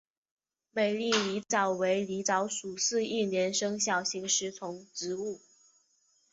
美丽狸藻为狸藻属似一年生小型食虫植物。